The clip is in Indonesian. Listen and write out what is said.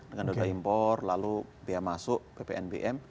dengan noda impor lalu biaya masuk ppnbm